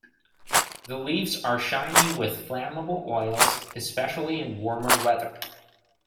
The leaves are shiny with flammable oils, especially in warmer weather.